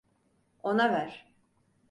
Ona ver.